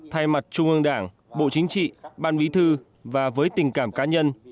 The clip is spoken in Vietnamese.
thay mặt trung ương đảng bộ chính trị ban bí thư và với tình cảm cá nhân